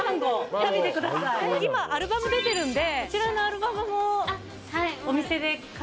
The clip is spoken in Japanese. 今アルバム出てるんでこちらのアルバムもお店でかけていただけると。